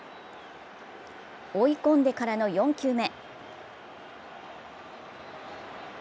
追い込んでからの４球目。